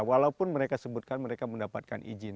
walaupun mereka sebutkan mereka mendapatkan izin